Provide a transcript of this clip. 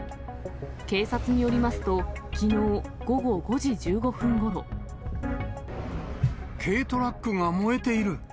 警察によりますと、軽トラックが燃えている。